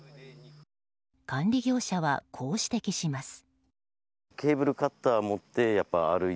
管理業者は、こう指摘します。